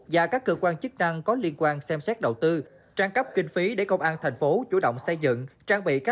và các cơ quan chức năng có liên quan xem xét đầu tư trang cấp kinh phí để công an tp hcm chủ động xây dựng